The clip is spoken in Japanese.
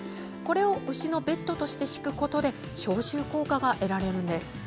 これを牛のベッドとして敷くことで消臭効果が得られるんです。